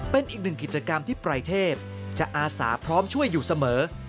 เป็นอีกหนึ่งกิจกรรมที่ปรายเทพจะอาสาพร้อมช่วยอยู่เสมอ